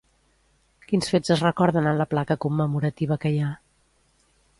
Quins fets es recorden en la placa commemorativa que hi ha?